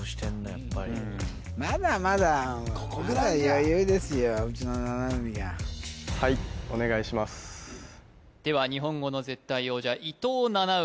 やっぱりまだまだ余裕ですようちの七海ははいお願いしますでは日本語の絶対王者伊藤七海